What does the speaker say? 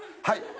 はい。